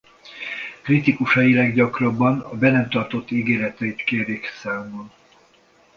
Kritikusai leggyakrabban a be nem tartott ígéreteit kérik számon.